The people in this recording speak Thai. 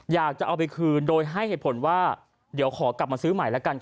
อยากจะเอาไปคืนโดยให้เหตุผลว่าเดี๋ยวขอกลับมาซื้อใหม่แล้วกัน